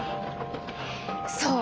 そう！